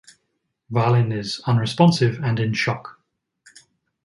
Valin is unresponsive and in shock.